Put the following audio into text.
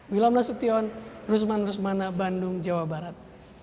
wilam nasution rusman rusmana bandung jawa barat